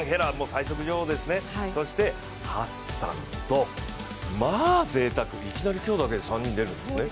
最速女王ですね、そしてハッサンとまあぜいたく、いきなり今日だけで３人出るんですね。